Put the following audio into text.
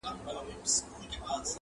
نه پر مځکه چا ته گوري نه اسمان ته!.